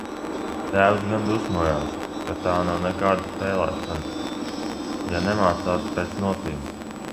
Tēvs gan dusmojās, ka tā nav nekāda spēlēšana, ja nemācās pēc notīm.